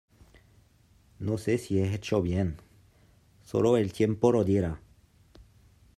No sé si he hecho bien. Solo el tiempo lo dirá